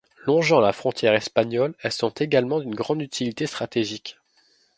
Longeant la frontière espagnole, elles sont également d'une grande utilité stratégique.